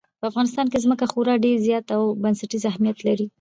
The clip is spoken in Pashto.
په افغانستان کې ځمکه خورا ډېر زیات او بنسټیز اهمیت لري.